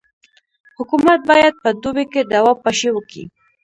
حکومت باید په دوبي کي دوا پاشي وکي.